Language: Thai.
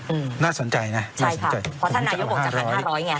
อืมน่าสนใจนะใช่ค่ะเพราะท่านนายกออกจากพันห้าร้อยไง